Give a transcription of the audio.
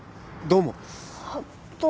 どうも。